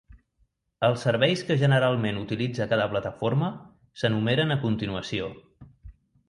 Els serveis que generalment utilitza cada plataforma s'enumeren a continuació.